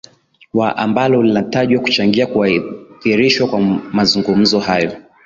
wa ambalo linatajwa kuchangia kuadhirishwa kwa mazungumzo hayo